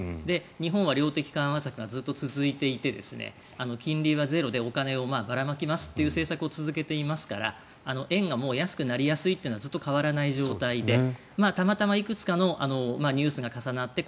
日本は量的緩和策がずっと続いていて金利はゼロでお金をばらまきますという政策を続けていますから円がもう安くなりやすいという状況はずっと変わらない状態でたまたまいくつかのニュースが重なって